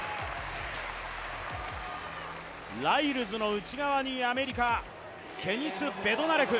ライルズの内側にアメリカ、ケニス・ベドナレク。